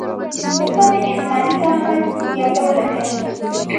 پسه د انساني کرامت یادونه کوي.